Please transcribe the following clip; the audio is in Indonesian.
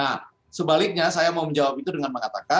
nah sebaliknya saya mau menjawab itu dengan mengatakan